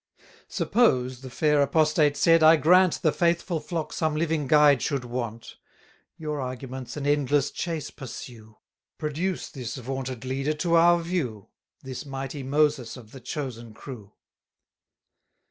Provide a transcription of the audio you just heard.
Suppose, the fair apostate said, I grant, The faithful flock some living guide should want, 390 Your arguments an endless chase pursue; Produce this vaunted leader to our view, This mighty Moses of the chosen crew.